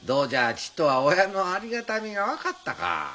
ちっとは親のありがたみが分かったか？